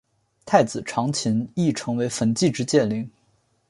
太子长琴亦成为焚寂之剑灵。